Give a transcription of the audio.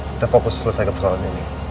kita fokus selesai ke persoalan ini